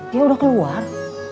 dia udah keluar